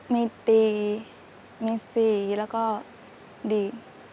มีตีมีสีแล้วก็ดี